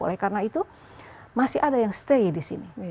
oleh karena itu masih ada yang stay di sini